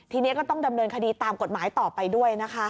ทีนี้ก็ต้องดำเนินคดีตามกฎหมายต่อไปด้วยนะคะ